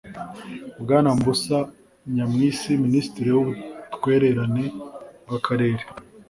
bwana mbusa nyamwisi minisitiri w ubutwererane bw akarere